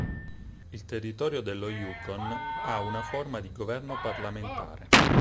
Il territorio dello Yukon ha una forma di governo parlamentare.